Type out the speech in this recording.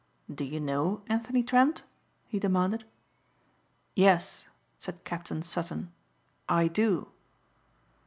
"Do you know Anthony Trent?" he demanded. "Yes," said Captain Sutton, "I do."